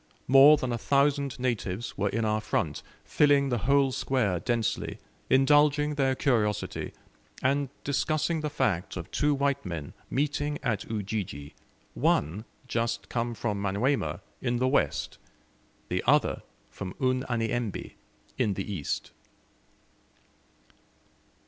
More than a thousand natives were in our front, filling the whole square densely, indulging their curiosity, and discussing the fact of two white men meeting at Ujiji one just come from Manyuema, in the west, the other from Unyanyembe, in the east.